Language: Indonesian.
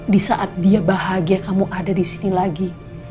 di saat dia bahagia kamu ada di sini lagi